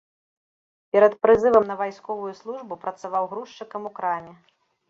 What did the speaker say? Перад прызывам на вайсковую службу працаваў грузчыкам у краме.